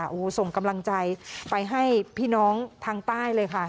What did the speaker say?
โอ้โหส่งกำลังใจไปให้พี่น้องทางใต้เลยค่ะ